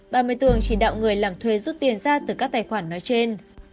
bà minh tường chỉ đạo người làm thuê rút tiền ra từ các tài khoản nói trên